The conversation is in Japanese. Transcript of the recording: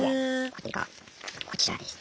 これがこちらですね。